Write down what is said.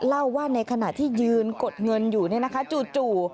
เล่าว่าในขณะที่ยืนกดเงินอยู่จู่